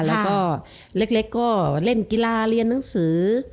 แล้วก็เล็กก็เล่นกีฬาเรียนหนังสือ